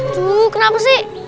tuh kenapa sih